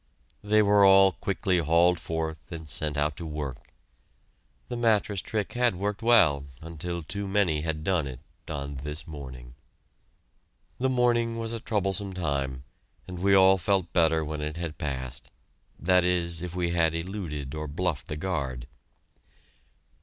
They were all quickly hauled forth and sent out to work. The mattress trick had worked well until too many had done it, on this morning. The morning was a troublesome time, and we all felt better when it had passed; that is, if we had eluded or bluffed the guard.